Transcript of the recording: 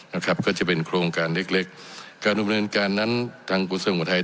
นะครับก็จะเป็นโครงการเล็กเล็กการบริเวณการนั้นทางโครงสร้างหัวไทย